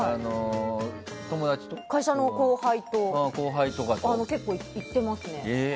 会社の後輩とかと結構、行ってますね。